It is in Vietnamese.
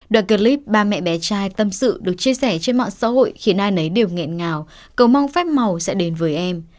đoạn clip ba mẹ bé trai tâm sự được chia sẻ trên mạng xã hội khiến ai nấy đều nghẹn ngào cầu mong phép màu sẽ đến với em